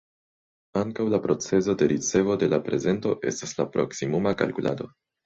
Ankaŭ la procezo de ricevo de la prezento estas la "proksimuma kalkulado".